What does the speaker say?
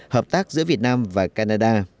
hợp tác giữa việt nam và canada